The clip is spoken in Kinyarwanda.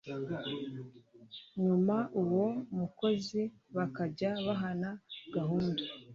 nyuma uwo mukozi bakajya bahana gahunda